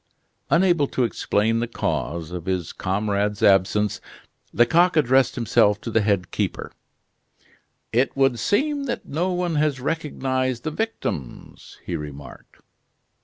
Unable to explain the cause of his comrade's absence, Lecoq addressed himself to the head keeper: "It would seem that no one has recognized the victims," he remarked.